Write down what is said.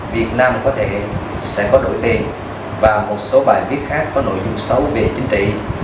việt nam có thể sẽ có đổi tiền và một số bài viết khác có nội dung xấu về địa chính trị